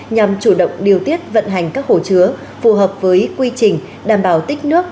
nhằm chủ động điều tiết vận hành các hồ chứa phù hợp với quy trình đảm bảo tích nước